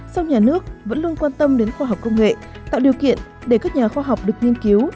sau nhà nước vẫn luôn quan tâm đến khoa học công nghệ tạo điều kiện để các nhà khoa học được nghiên cứu